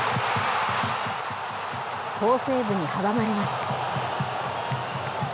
好セーブに阻まれます。